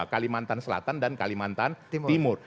kalimantan selatan dan kalimantan timur